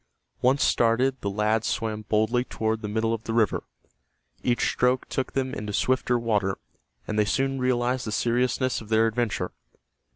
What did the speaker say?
Once started, the lads swam boldly toward the middle of the river. Each stroke took them into swifter water, and they soon realized the seriousness of their adventure.